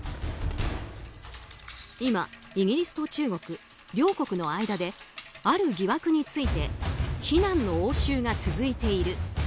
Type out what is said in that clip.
今、イギリスと中国両国の間である疑惑について非難の応酬が続いている。